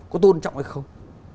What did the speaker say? có tôn trọng hay không